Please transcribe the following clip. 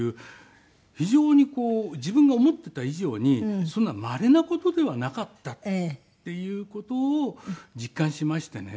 非常にこう自分が思っていた以上にそんなまれな事ではなかったっていう事を実感しましてね。